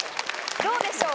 どうでしょう？